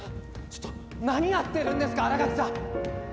ちょっと何やってるんですか新垣さん